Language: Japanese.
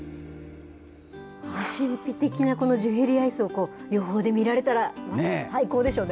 神秘的なこのジュエリーアイスを、予報で見られたら最高でしょうね。